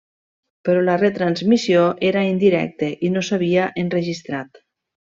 Però la retransmissió era en directe i no s'havia enregistrat.